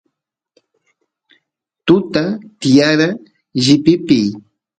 tuta tiyara llipipiy